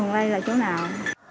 đây là chỗ nào